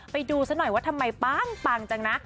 ไปดูซะหน่อยว่าทำไมปังจังนะ